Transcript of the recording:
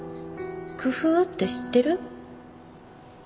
工夫って知ってる？